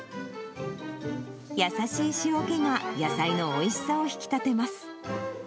優しい塩気が野菜のおいしさを引き立てます。